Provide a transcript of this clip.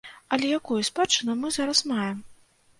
Але якую спадчыну мы зараз маем?